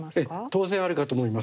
当然あるかと思います。